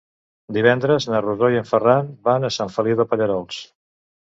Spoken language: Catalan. Divendres na Rosó i en Ferran van a Sant Feliu de Pallerols.